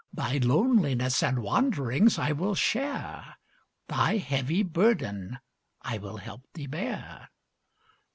"Thy loneliness and wanderings I will share, Thy heavy burden I will help thee bear."